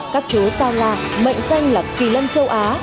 các chú sao nga mệnh danh là kỳ lân châu á